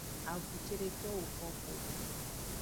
Avun cedeto woko go.